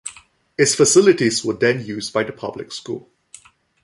Its facilities were then used by the public school.